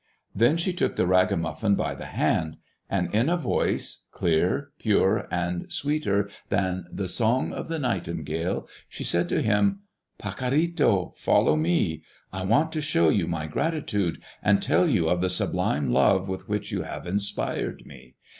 Then she took the ragamuffin by the hand, and in a voice clear, pure, and sweeter than the song of the nightingale, she said to him, "Pacorrito, follow me! I want to show you my gratitude, and tell you of the sublime love with which you have inspired me.